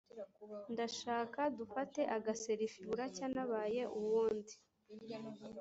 ndashaka dufate agaselifi, buracya nabaye uwundi